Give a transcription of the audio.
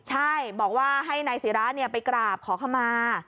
ใช่บอกว่าให้นายศิราไปกราบขอขมา